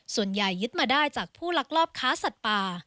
ส่วนใหญ่ยึดมาได้จากผู้รักลอบค้าสัตว์ป่า